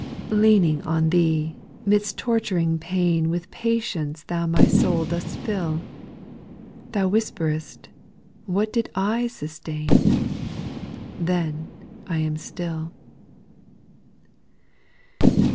4. Leaning on Thee, midst torturing pain With patience Thou my soul dost fill ; Thou whisperest " What did I sustain ?" Then I am still.